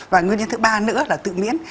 và nguyên nhân thứ ba nữa là tự miễn